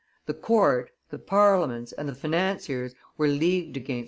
The court, the parliaments, and the financiers were leagued against M.